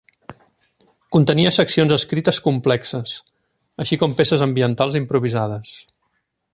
Contenia seccions escrites complexes, així com peces ambientals improvisades.